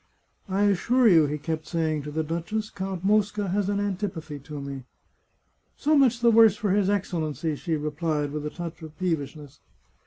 " I assure you," he kept saying to the duchess, " Count Mosca has an antipathy to me." " So much the worse for his Excellency !" she replied with a touch of peevishness.